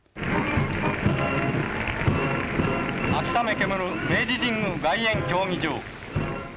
秋雨煙る明治神宮外苑競技場。